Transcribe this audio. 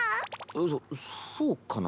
そそうかな？